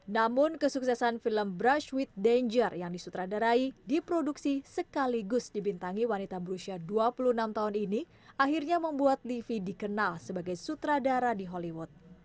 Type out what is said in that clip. namun kesuksesan film brush with danger yang disutradarai diproduksi sekaligus dibintangi wanita berusia dua puluh enam tahun ini akhirnya membuat livi dikenal sebagai sutradara di hollywood